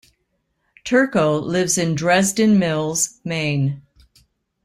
Turco lives in Dresden Mills, Maine.